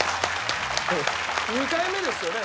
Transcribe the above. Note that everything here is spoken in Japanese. ２回目ですよね？